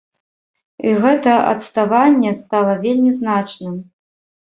І гэта адставанне стала вельмі значным.